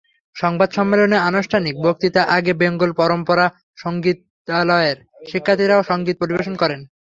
সংবাদ সম্মেলনের আনুষ্ঠানিক বক্তৃতার আগে বেঙ্গল পরম্পরা সংগীতালয়ের শিক্ষার্থীরা সংগীত পরিবেশন করেন।